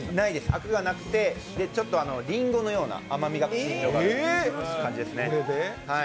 あくがなくて、ちょっとりんごのような甘みが口に広がる感じですね。